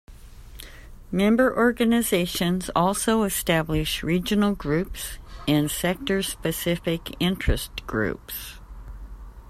Member organizations also establish regional groups and sector specific interest groups.